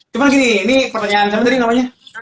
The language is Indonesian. cuman gini ini pertanyaan siapa tadi namanya